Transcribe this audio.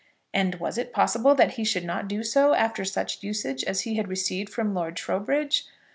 And was it possible that he should not do so after such usage as he had received from Lord Trowbridge?